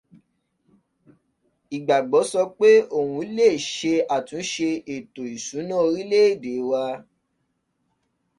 Ìgbàgbọ́ sọ pé òun leè ṣé àtúnṣe ètò ìsúnná orílẹ̀ èdè wa.